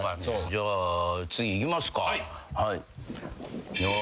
じゃあ次いきますか。